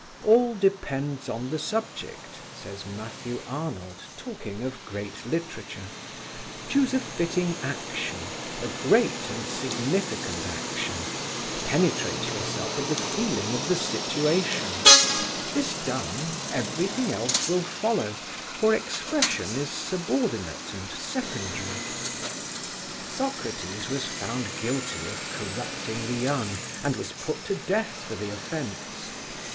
"All depends on the subject," says Matthew Arnold, talking of great literature: "choose a fitting action a great and significant action penetrate yourself with the feeling of the situation: this done, everything else will follow; for expression is subordinate and secondary." Socrates was found guilty of corrupting the young and was put to death for the offence.